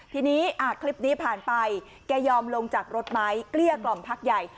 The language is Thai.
ทีนี้คลิปนี้ผ่านไปแกยอมลงจากรถไหมเกลี้ยกล่อมพักใหญ่